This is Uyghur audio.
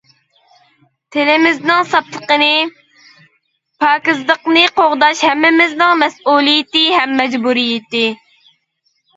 تىلىمىزنىڭ ساپلىقىنى، پاكىزلىقىنى قوغداش ھەممىمىزنىڭ مەسئۇلىيىتى ھەم مەجبۇرىيىتى.